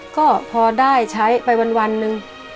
ก็พอได้ใช้ไปวันหนึ่ง